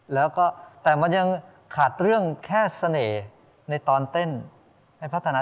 แล้วก็แต่มันยังขาดเรื่องแค่เสน่ห์ในตอนเต้นให้พัฒนา